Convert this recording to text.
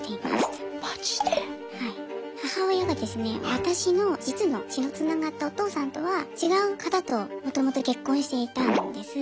私の実の血のつながったお父さんとは違う方ともともと結婚していたんです。